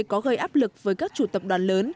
có gây áp lực với các chủ tập đoàn lớn